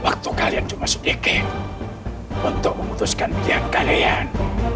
waktu kalian cuma sedikit untuk memutuskan tiap kalian